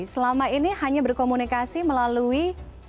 selama ini hanya berkomunikasi melalui